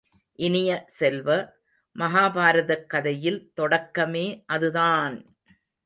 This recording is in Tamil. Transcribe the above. இனிய செல்வ, மகாபாரதக் கதையில் தொடக்கமே அதுதான்!